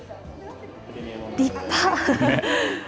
立派！